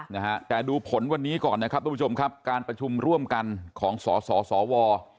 นะฮะแต่ดูผลวันนี้ก่อนนะครับทุกผู้ชมครับการประชุมร่วมกันของสสว